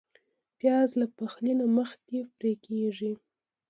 پیاز له پخلي نه مخکې پرې کېږي